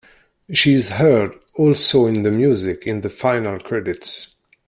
She is heard also in the music in the final credits.